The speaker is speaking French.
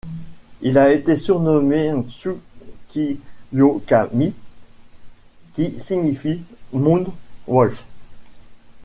Il a été surnommé Tsukiookami, qui signifie Moon Wolf.